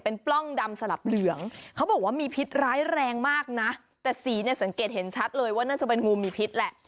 เขาบอกว่ามีพิษร้ายแรงมากนะแต่สีเนี่ยสังเกตเห็นชัดเลยว่านั่นจะเป็นงูมีพิษแหละ